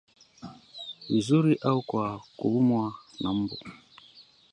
vizuri au kwa kuumwa na mbu